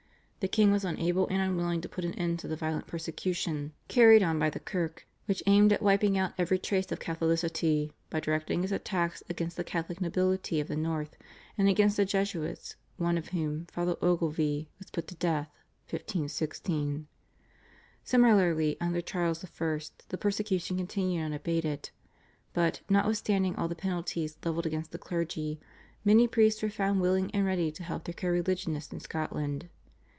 The king was unable and unwilling to put an end to the violent persecution carried on by the kirk, which aimed at wiping out every trace of Catholicity by directing its attackings against the Catholic nobility of the north and against the Jesuits, one of whom, Father Ogilvie was put to death (1516). Similarly under Charles I. the persecution continued unabated, but, notwithstanding all the penalties levelled against the clergy, many priests were found willing and ready to help their co religionists in Scotland.